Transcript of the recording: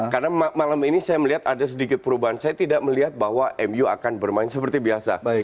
karena malam ini saya melihat ada sedikit perubahan saya tidak melihat bahwa mu akan bermain seperti biasa